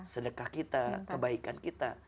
sedekah kita kebaikan kita